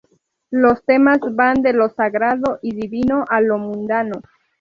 Los temas van de lo sagrado y divino a lo mundano.